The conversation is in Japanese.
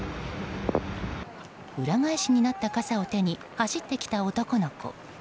裏返しになった傘を手に走ってきた男の子。